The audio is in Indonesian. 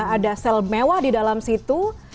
ada sel mewah di dalam situ